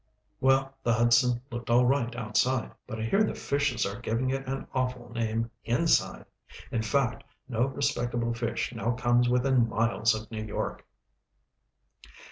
Well, the Hudson looked all right outside, but I hear the fishes are giving it an awful name inside. In fact, no respectable fish comes now within miles of New York.